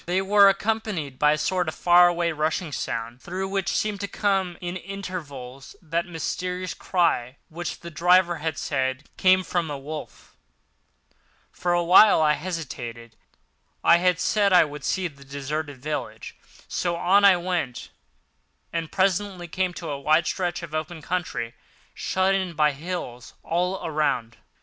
They were accompanied by a sort of far away rushing sound, through which seemed to come at intervals that mysterious cry which the driver had said came from a wolf. For a while I hesitated. I had said I would see the deserted village, so on I went, and presently came on a wide stretch of open country, shut in by hills all around.